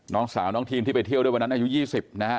น้องสาวน้องทีมที่ไปเที่ยวด้วยวันนั้นอายุ๒๐นะฮะ